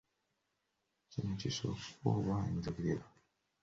Kino kisoko oba njogera?